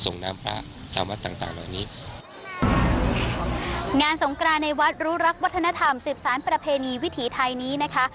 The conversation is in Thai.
งานสงกราในวัดรู้รักวัฒนธรรม๑๐สารประเพณีวิถีไทยนี้นะคะ